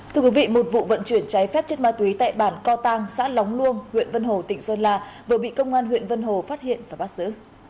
thưa quý vị một vụ vận chuyển cháy phép chất ma túy tại bản co tăng xã lóng luông huyện vân hồ tỉnh sơn la vừa bị công an huyện vân hồ phát hiện và bắt giữ